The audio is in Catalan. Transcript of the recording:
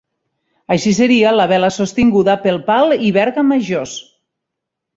Així seria la vela sostinguda pel pal i verga majors.